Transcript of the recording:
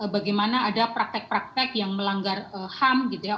bagaimana ada praktek praktek yang melanggar ham gitu ya